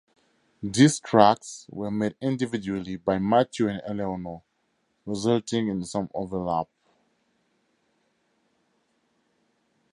These tracks were made individually by Mathew and Eleanor, resulting in some overlap.